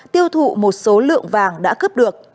tiêu thụ một số lượng vàng đã cướp được